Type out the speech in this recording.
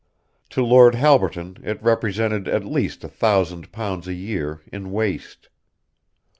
To Lord Halberton it represented at least a thousand pounds a year in waste.